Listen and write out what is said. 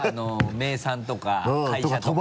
名産とか会社とか。